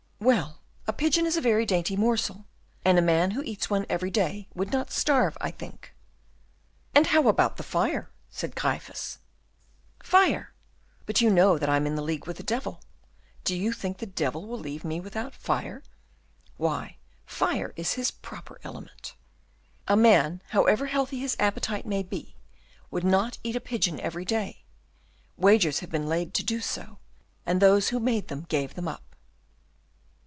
"Well, a pigeon is a very dainty morsel, and a man who eats one every day would not starve, I think." "And how about the fire?" said Gryphus. "Fire! but you know that I'm in league with the devil. Do you think the devil will leave me without fire? Why, fire is his proper element." "A man, however healthy his appetite may be, would not eat a pigeon every day. Wagers have been laid to do so, and those who made them gave them up."